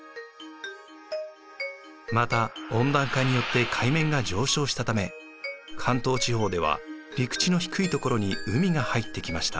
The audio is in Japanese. また温暖化によって海面が上昇したため関東地方では陸地の低い所に海が入ってきました。